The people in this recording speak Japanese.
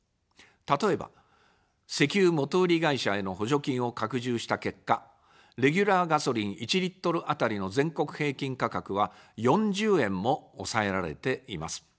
例えば、石油元売り会社への補助金を拡充した結果、レギュラーガソリン１リットル当たりの全国平均価格は４０円も抑えられています。